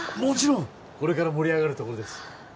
もちろんこれから盛り上がるところです